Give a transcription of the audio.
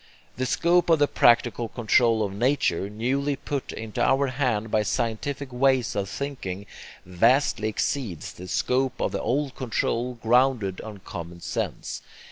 The scope of the practical control of nature newly put into our hand by scientific ways of thinking vastly exceeds the scope of the old control grounded on common sense.